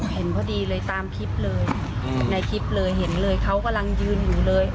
เห็นพอดีเลยตามคลิปเลยในคลิปเลยเห็นเลยเขากำลังยืนอยู่เลย